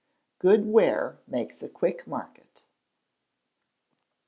[GOOD WARE MAKES A QUICK MARKET.